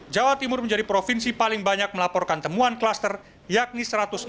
jawa timur menjadi provinsi paling banyak melaporkan temuan klaster yakni satu ratus enam puluh